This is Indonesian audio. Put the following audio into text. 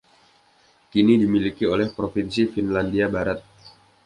Kini dimiliki oleh provinsi Finlandia Barat.